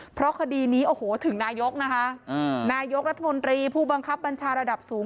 เพราะคดีนี้โอ้โหถึงนายกนะคะนายกรัฐมนตรีผู้บังคับบัญชาระดับสูง